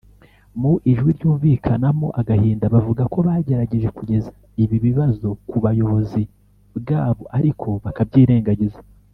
Mu ijwi ryumvikanamo agahinda bavuga ko bagerageje kugeza ibi bibazo ku buyobozi bwabo ariko bakabyirengagiza